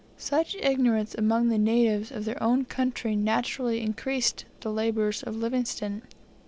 Such ignorance among the natives of their own country naturally increased the labours of Livingstone.